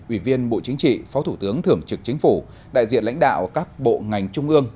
ủy viên bộ chính trị phó thủ tướng thưởng trực chính phủ đại diện lãnh đạo các bộ ngành trung ương